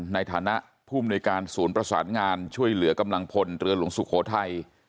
ในฐานะผู้มนุยการศูนย์ประสานงานช่วยเหลือกำลังพลเรือหลวงสุโขทัย